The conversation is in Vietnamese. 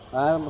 rất là bức xúc